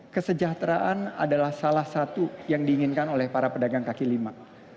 kesejahteraan adalah salah satu yang diinginkan oleh para pedagang kaki lima